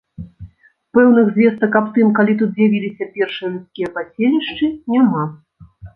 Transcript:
Пэўных звестак аб тым, калі тут з'явіліся першыя людскія паселішчы, няма.